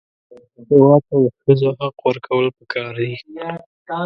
هېواد ته د ښځو حق ورکول پکار دي